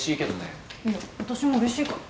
いや私もうれしいから。